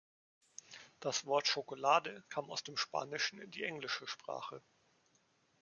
Das Wort „Schokolade“ kam aus dem Spanischen in die englische Sprache.